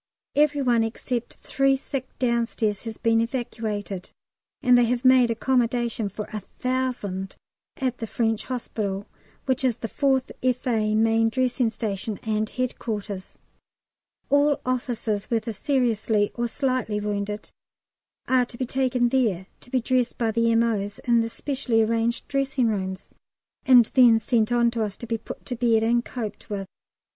Every one except three sick downstairs has been evacuated, and they have made accommodation for 1000 at the French Hospital, which is the 4th F.A. main dressing station, and headquarters. All officers, whether seriously or slightly wounded, are to be taken there to be dressed by the M.O.'s in the specially arranged dressing rooms, and then sent on to us to be put to bed and coped with.